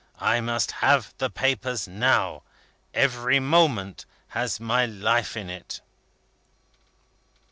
I must have the papers now. Every moment has my life in it."